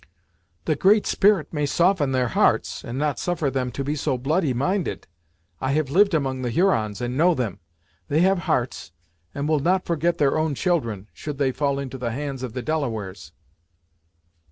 "The Great Spirit may soften their hearts, and not suffer them to be so bloody minded. I have lived among the Hurons, and know them. They have hearts, and will not forget their own children, should they fall into the hands of the Delawares."